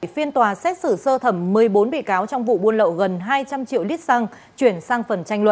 phiên tòa xét xử sơ thẩm một mươi bốn bị cáo trong vụ buôn lậu gần hai trăm linh triệu lít xăng